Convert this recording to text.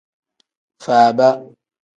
Faaba.